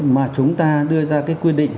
mà chúng ta đưa ra cái quy định